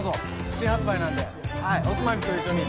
新発売なんではいおつまみと一緒に。